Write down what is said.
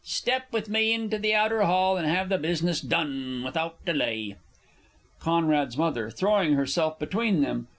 Step with me into the outer hall, And have the business done without delay. C.'s M. (_throwing herself between them.